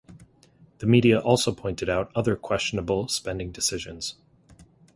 The media also pointed out other questionable spending decisions.